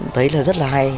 thấy là rất là hay